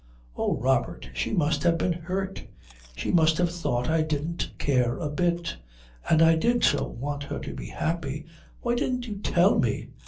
Oh, Robert, she must have been hurt. She must have thought I didn't care a bit. And I did so want her to be happy. Why didn't you tell me?"